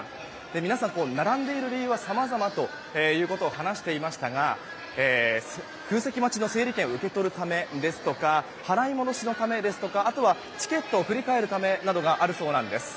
皆さん、並んでいる理由はさまざまと話していましたが空席待ちの整理券を受け取るためですとか払い戻しのためですとかあとはチケットを振り替えるためなどがあるそうなんです。